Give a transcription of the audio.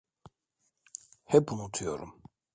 Hep unutuyorum.